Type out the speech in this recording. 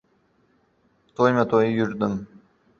To‘yma-to‘y yurdim.